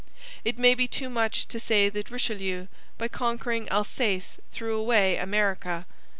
It may be too much to say that Richelieu by conquering Alsace threw away America.